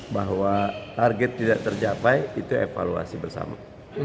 bahwa target tidak tercapai itu evaluasi bersama